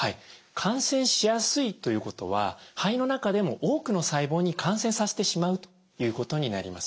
感染しやすいということは肺の中でも多くの細胞に感染させてしまうということになります。